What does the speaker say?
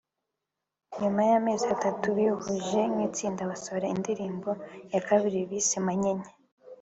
nyuma y’amezi atatu bihuje nk’itsinda basohoye indirimbo ya kabiri bise ‘Manyinya’